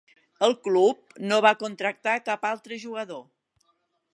El club no va contractar cap altre jugador.